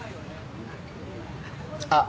あっ